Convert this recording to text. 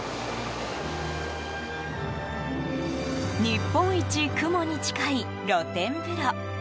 日本一雲に近い露天風呂。